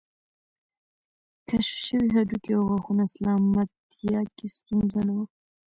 کشف شوي هډوکي او غاښونه سلامتیا کې ستونزه نه وه